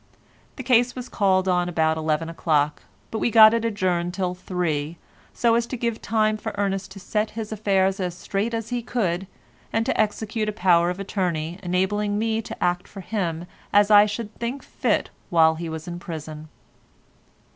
The case was called on about eleven o'clock, but we got it adjourned till three, so as to give time for Ernest to set his affairs as straight as he could, and to execute a power of attorney enabling me to act for him as I should think fit while he was in prison.